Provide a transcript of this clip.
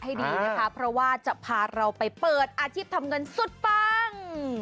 ให้ดีนะคะเพราะว่าจะพาเราไปเปิดอาชีพทำเงินสุดปัง